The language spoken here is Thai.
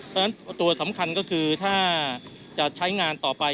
เพราะฉะนั้นตัวสำคัญก็คือถ้าจะใช้งานต่อไป